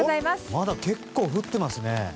まだ結構降ってますね。